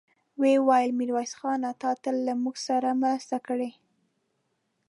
ويې ويل: ميرويس خانه! تا تل له موږ سره مرسته کړې.